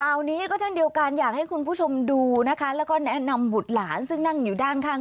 คราวนี้ก็เช่นเดียวกันอยากให้คุณผู้ชมดูนะคะแล้วก็แนะนำบุตรหลานซึ่งนั่งอยู่ด้านข้าง